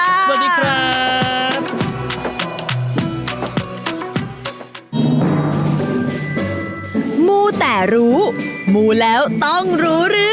สวัสดีครับ